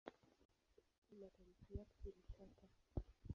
Matamshi yake ilikuwa "t".